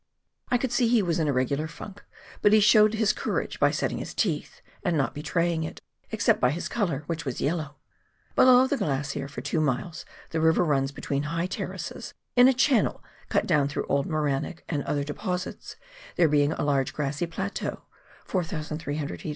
I could see he was in a regular " funk," but he showed his courage by setting his teeth and not betraying it — except by his colour, which was yellow ! Below the glacier, for two miles, the river runs between high terraces, in a channel cut down through old morainic and other deposits, there being a large grassy plateau (4,300 ft.